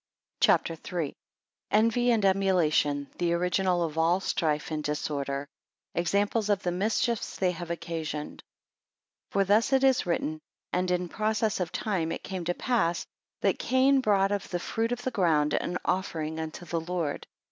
CHAPTER III. Envy and emulation the original of all strife and disorder. Examples of the mischiefs they have occasioned. FOR thus it is written, And in process of time it came to pass, that Cain brought of the fruit of the ground an offering unto the Lord.